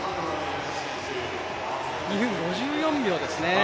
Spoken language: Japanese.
２分５４秒ですね